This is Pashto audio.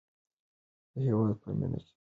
د هېواد په مینه کې مو ژوند تېر شي.